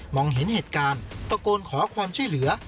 เห็นเหตุการณ์ตะโกนขอความช่วยเหลือ